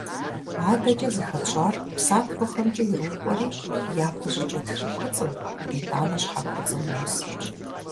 АдэкӀэ зыхэтщӀар псантхуэхэмкӀэ ирокӀуэри япэ щӀыкӀэ тхы куцӀым, итӀанэ щхьэ куцӀым нос.